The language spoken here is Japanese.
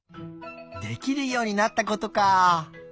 できるようになったことか。